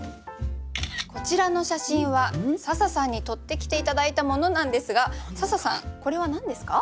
こちらの写真は笹さんに撮ってきて頂いたものなんですが笹さんこれは何ですか？